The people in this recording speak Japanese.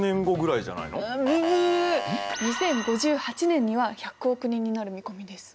２０５８年には１００億人になる見込みです。